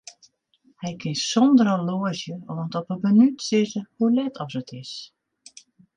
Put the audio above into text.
Hy kin sonder horloazje oant op 'e minút sizze hoe let as it is.